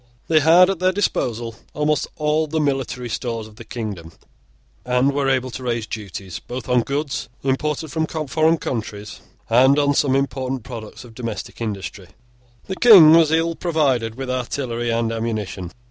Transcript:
They had at their disposal almost all the military stores of the kingdom, and were able to raise duties, both on goods imported from foreign countries, and on some important products of domestic industry. The King was ill provided with artillery and ammunition.